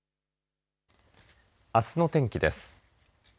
あすの天気です。